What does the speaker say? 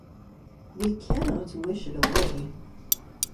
We cannot wish it away.